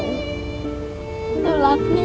อยู่รับพี่นะ